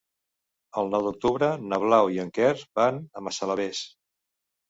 El nou d'octubre na Blau i en Quer van a Massalavés.